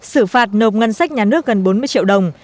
xử phạt nộp ngân sách nhà nước gần bốn mươi triệu đồng